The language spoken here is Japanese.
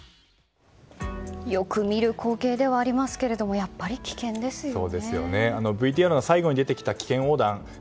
よく見る光景ではありますけどやっぱり危険ですよね。